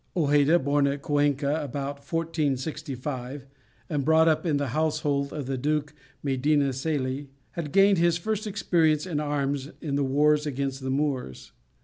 Hojeda, born at Cuença about 1465, and brought up in the household of the Duke of Medina Celi, had gained his first experience in arms in the wars against the Moors.